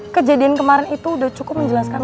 kejadian kemarin itu sudah cukup menjelaskan